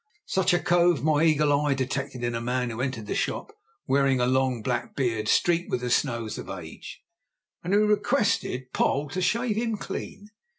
Such a cove my eagle eye detected in a man who entered the shop wearing a long black beard streaked with the snows of age, and who requested Poll to shave him clean.